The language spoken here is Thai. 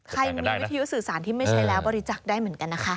ใครมีวิทยุสื่อสารที่ไม่ใช้แล้วบริจักษ์ได้เหมือนกันนะคะ